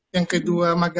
yang kedua punya